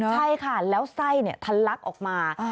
ใช่ค่ะแล้วไส้เนี่ยทันลักออกมา